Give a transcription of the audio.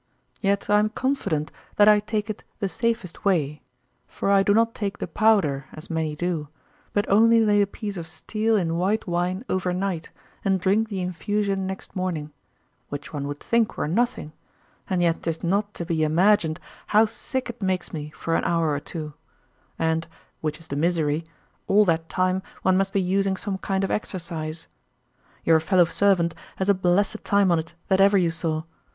Yet I am confident that I take it the safest way, for I do not take the powder, as many do, but only lay a piece of steel in white wine over night and drink the infusion next morning, which one would think were nothing, and yet 'tis not to be imagined how sick it makes me for an hour or two, and, which is the misery, all that time one must be using some kind of exercise. Your fellow servant has a blessed time on't that ever you saw.